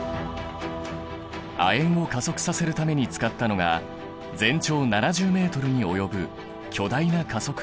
亜鉛を加速させるために使ったのが全長７０ｍに及ぶ巨大な加速器だ。